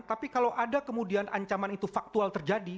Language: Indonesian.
tapi kalau ada kemudian ancaman itu faktual terjadi